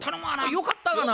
よかったがな。